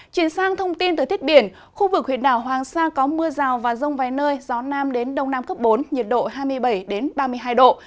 chuyển sang thông tin từ thiết biển khu vực huyện đảo hoàng sa có mưa rào và rông vài nơi gió nam đến đông nam cấp bốn nhiệt độ hai mươi bảy ba mươi hai độ